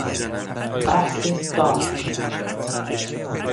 بحث داغ